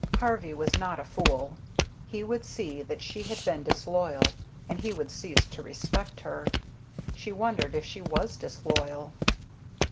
Harvey was not a fool. He would see that she had been disloyal, and he would cease to respect her. She wondered if she was disloyal.